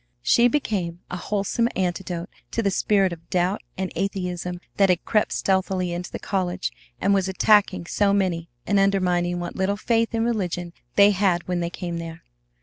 She became a wholesome antidote to the spirit of doubt and atheism that had crept stealthily into the college and was attacking so many and undermining what little faith in religion they had when they came there.